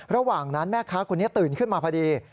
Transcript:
ระหว่างนั้นแม่ค้าคนนี้ตื่นขึ้นมาพอดี